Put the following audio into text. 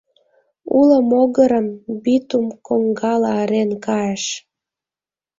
Уло могырем битум коҥгала ырен кайыш.